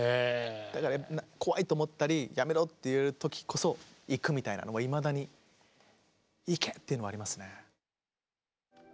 だから怖いと思ったりやめろって言われた時こそ行くみたいなのはいまだに行け！っていうのはありますね。